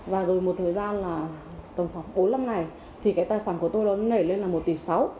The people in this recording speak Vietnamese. và rồi một thời gian là tầm khoảng bốn năm ngày thì cái tài khoản của tôi nó nảy lên là một tỷ sáu